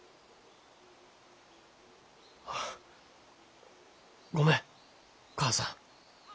あごめん母さん。